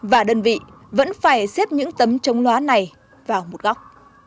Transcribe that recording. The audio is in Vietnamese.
và đơn vị vẫn phải xếp những tấm chống lóa này vào một góc